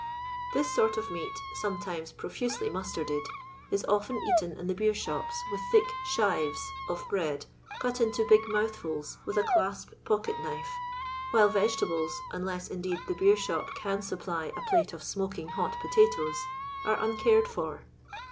This sort of meat, some times profusely mustarded, is often eaten in the beer^shops with thick "shives* of bread, cut into big mouthfhls with a clasp pocket knife, while vegetables, unless indeed the beei^shop can supply a plate of smoking hot potatoes, are uncared for.